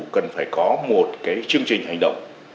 cần phải có một cái chương trình hành động